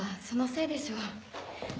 そのせいでしょう。